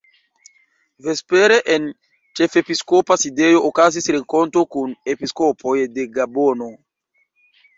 Vespere en ĉefepiskopa sidejo okazis renkonto kun episkopoj de Gabono.